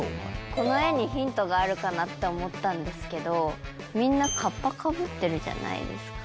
この絵にヒントがあるかなって思ったんですけどみんなカッパかぶってるじゃないですか。